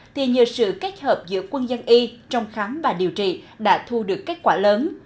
thì nhờ sự kết hợp giữa quân dân y trong khám và điều trị đã thu được kết quả lớn